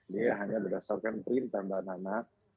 dia hanya berdasarkan perintah mbak nana